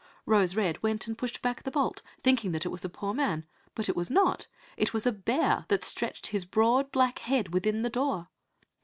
Rose red went and pushed back the bolt, thinking that it was a poor man, but it was not; it was a bear that stretched his broad, black head within the door.